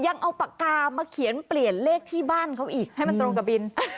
ยังเอาปากกามาเขียนเปลี่ยนเลขที่บ้านเขาอีกให้มันตรงกับบิน